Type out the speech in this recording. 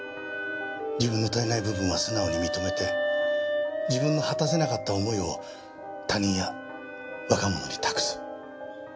自分の足りない部分は素直に認めて自分の果たせなかった思いを他人や若者に託す。